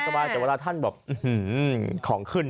แต่เวลาท่านแบบอื้อหือของขึ้น